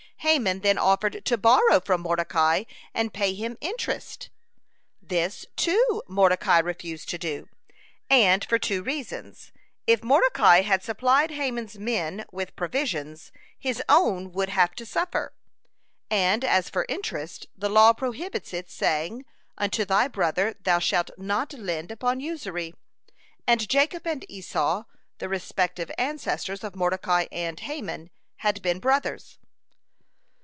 Haman then offered to borrow from Mordecai and pay him interest. This, too, Mordecai refused to do, and for two reasons. If Mordecai had supplied Haman's men with provisions, his own would have to suffer, and as for interest, the law prohibits it, saying "Unto thy brother thou shalt not lend upon usury," and Jacob and Esau, the respective ancestors of Mordecai and Haman, had been brothers.